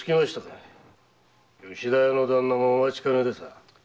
吉田屋の旦那もお待ちかねで。